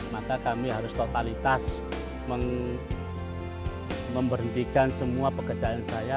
maka kami harus totalitas memberhentikan semua pekerjaan saya